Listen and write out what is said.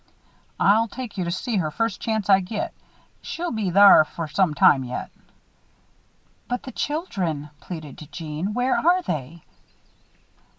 "I'll take you to see her first chance I git; she'll be thar for some time yet!" "But the children," pleaded Jeanne. "Where are they?"